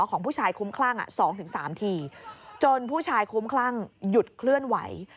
ของผู้ชายคุ้มคลั่ง๒๓ทีจนผู้ชายคุ้มคลั่งหยุดเคลื่อนไหว